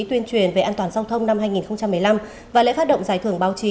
tuyên truyền về an toàn giao thông năm hai nghìn một mươi năm và lễ phát động giải thưởng báo chí